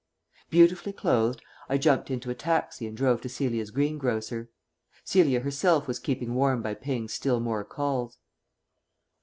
Beautifully clothed, I jumped into a taxi and drove to Celia's greengrocer. Celia herself was keeping warm by paying still more calls.